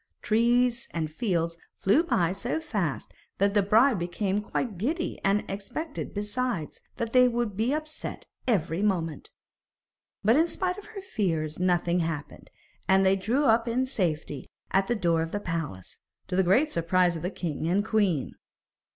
Trees and fields flew by so fast that the bride became quite giddy, and expected, besides, that they would be upset every moment. But, in spite of her fears, nothing happened, and they drew up in safety at the door of the palace, to the great surprise of the king and queen.